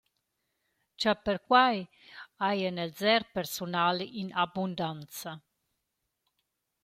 Cha perquai hajan els eir persunal in abundanza.